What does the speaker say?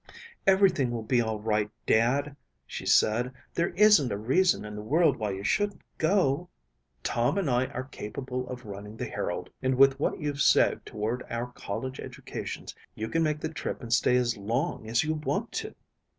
"Everything will be all right, Dad," she said. "There isn't a reason in the world why you shouldn't go. Tom and I are capable of running the Herald and with what you've saved toward our college educations, you can make the trip and stay as long as you want to."